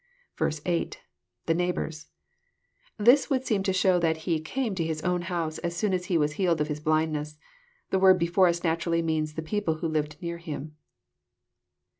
8. — [TAe neig^ours.'] This would seem to show that he " came to his ownhouse as soon as he was healed of his blindness. The word before as naturally means the people who lived near to him.